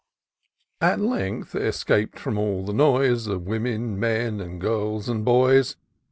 At length, escaped from all the noise Of women, men, and girls and boys.